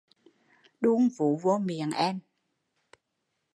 Đun vú vô miệng em